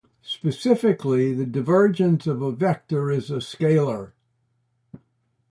Specifically, the divergence of a vector is a scalar.